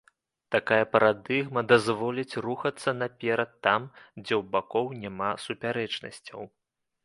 Такая парадыгма дазволіць рухацца наперад там, дзе ў бакоў няма супярэчнасцяў.